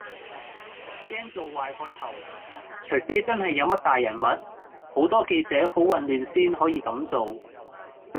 驚做壞個頭，除非真係有乜大人物，好多記者好混亂先可以咁做